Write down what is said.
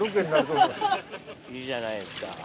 いいじゃないですか。